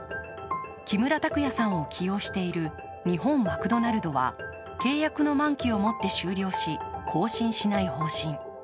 木村拓哉さんを起用している日本マクドナルドは契約の満期をもって終了し、更新しない方針。